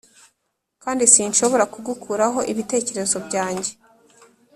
kandi sinshobora kugukuraho ibitekerezo byanjye